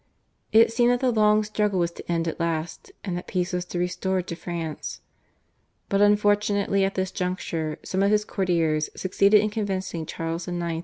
It seemed that the long struggle was to end at last and that peace was to be restored to France. But unfortunately at this juncture some of his courtiers succeeded in convincing Charles IX.